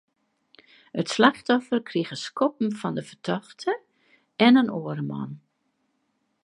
It slachtoffer krige skoppen fan de fertochte en in oare man.